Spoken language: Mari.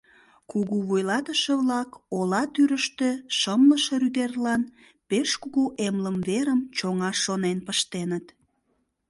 Кугу вуйлатыше-влак ола тӱрыштӧ шымлыше рӱдерлан пеш кугу эмлымверым чоҥаш шонен пыштеныт.